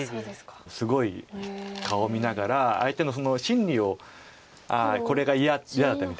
すごい顔を見ながら相手の心理をこれが嫌な手みたいな。